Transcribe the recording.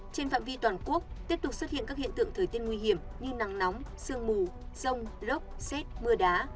trên phạm vi toàn quốc tiếp tục xuất hiện các hiện tượng thời tiết nguy hiểm như nắng nóng sương mù rông lốc xét mưa đá